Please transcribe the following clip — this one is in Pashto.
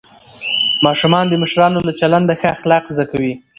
ماشومان د مشرانو له چلنده ښه اخلاق زده کوي